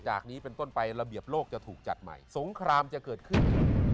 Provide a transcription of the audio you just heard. จากนี้เป็นต้นไประเบียบโลกจะถูกจัดใหม่สงครามจะเกิดขึ้น